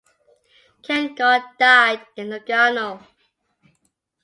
Kenngott died in Lugano.